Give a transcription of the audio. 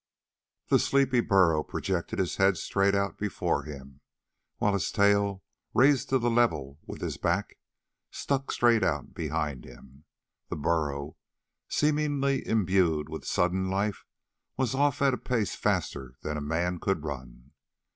The sleepy burro projected his head straight out before him, while his tail, raised to a level with his back, stuck straight out behind him. The burro, seemingly imbued with sudden life, was off at a pace faster than a man could run.